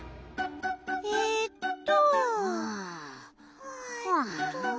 えっと。